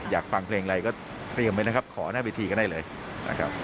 อยากฟังเพลงอะไรก็เตรียมไว้นะครับขอหน้าเวทีก็ได้เลยนะครับ